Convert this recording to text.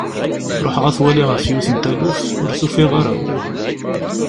Ruḥeɣ ad t-waliɣ ɣef yiwet n taluft, ur t-ufiɣ ara.